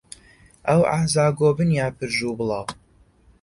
ئەو ئەعزا کۆبن یا پرژ و بڵاو